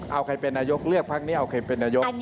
เอาใครเป็นนายกเลือกพักนี้เอาใครเป็นนายก